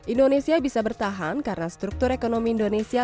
indonesia bisa bertahan karena struktur ekonomi indonesia